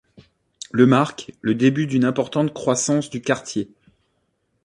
Le marque le début d'une importante croissance du quartier.